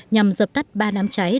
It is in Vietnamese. nhằm dập tắt ba nám cháy